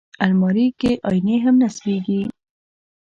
الماري کې آیینې هم نصبېږي